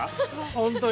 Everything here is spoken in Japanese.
本当に。